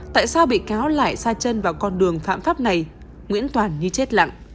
tại sao bị cáo lại xa chân vào con đường phạm pháp này nguyễn toàn như chết lặng